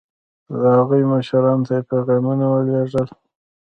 د هغوی مشرانو ته یې پیغامونه ولېږل.